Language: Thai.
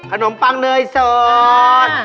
ขนมปังเนยสด